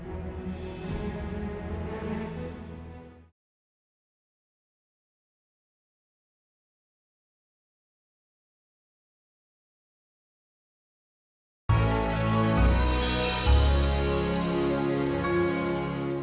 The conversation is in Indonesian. aku yakin hubungan mereka berdua akan hancur